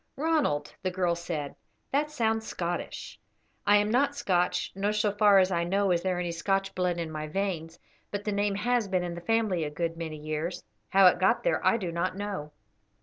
"Ronald," the girl said, "that sounds Scottish." "I am not Scotch, nor so far as I know is there any Scotch blood in my veins, but the name has been in the family a good many years; how it got there I do not know."